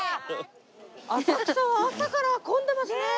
浅草は朝から混んでますね。